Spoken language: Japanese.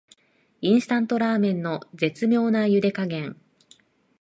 インスタントラーメンの絶妙なゆで加減